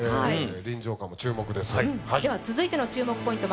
臨場感も注目ですでは続いての注目ポイント